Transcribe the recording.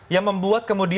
yang membuat kemudian